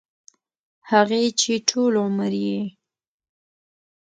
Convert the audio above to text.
هغـې چـې ټـول عـمر يـې